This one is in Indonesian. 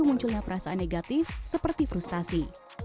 munculnya perasaan negatif seperti frustasi